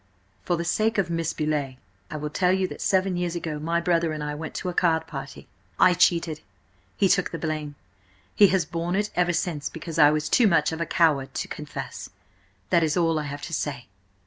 "For the sake of Miss Beauleigh, I will tell you that seven years ago my brother and I went to a card party. I cheated. He took the blame. He has borne it ever since because I was too much a coward to confess. That is all I have to say."